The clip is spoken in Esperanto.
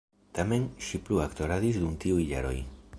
Tamen, ŝi plu aktoradis dum tiuj jaroj.